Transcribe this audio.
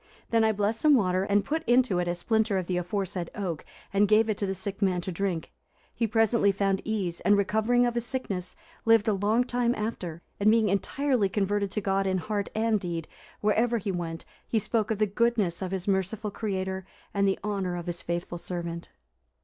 Then I blessed some water, and put into it a splinter of the aforesaid oak, and gave it to the sick man to drink. He presently found ease, and, recovering of his sickness, lived a long time after; and, being entirely converted to God in heart and deed, wherever he went, he spoke of the goodness of his merciful Creator, and the honour of His faithful servant."